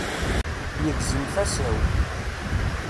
Yegzem tasa-w.